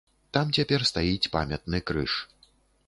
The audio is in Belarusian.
Там цяпер стаіць памятны крыж.